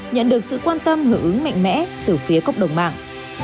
nhận được sự quan tâm hưởng ứng mạnh mẽ từ phía cộng đồng mạng